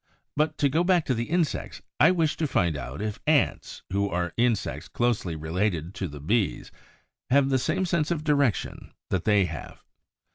But to go back to the insects. I wished to find out if Ants, who are insects closely related to the Bees, have the same sense of direction that they have.